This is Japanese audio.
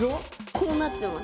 こうなってます。